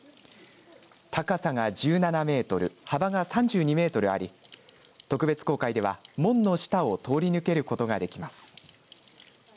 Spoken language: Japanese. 高さが１７メートル幅が３２メートルあり特別公開では門の下を通り抜けることができます。